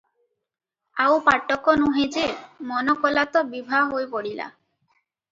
ଆଉ ପାଟକ ନୁହେଁ ଯେ, ମନ କଲା ତ ବିଭା ହୋଇ ପଡ଼ିଲା ।